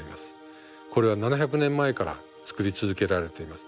これは７００年前から作り続けられています。